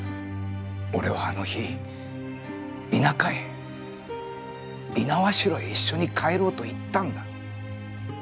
俺はあの日田舎へ猪苗代へ一緒に帰ろうと言ったんだ。